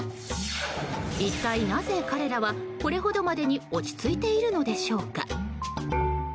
一体なぜ彼らは、これほどまでに落ち着いているのでしょうか。